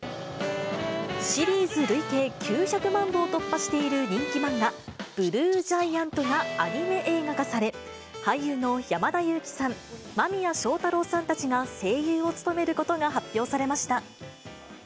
シリーズ累計９００万部を突破している人気漫画、ＢＬＵＥＧＩＡＮＴがアニメ映画化され、俳優の山田裕貴さん、間宮祥太朗さんたちが声優を務めることが発